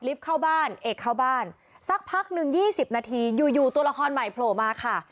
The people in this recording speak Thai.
เข้าบ้านเอกเข้าบ้านสักพักหนึ่ง๒๐นาทีอยู่อยู่ตัวละครใหม่โผล่มาค่ะ